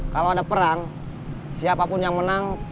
kalau ada perang siapapun yang menang pasti ada yang menang